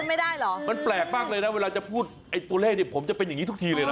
มันแปลกมากเลยนะเวลาจะพูดไอ้ตัวเล่นผมจะเป็นอย่างนี้ทุกทีเลยนะ